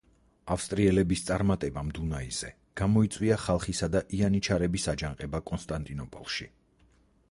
ავსტრიელების წარმატებამ დუნაიზე გამოიწვია ხალხისა და იანიჩარების აჯანყება კონსტანტინოპოლში.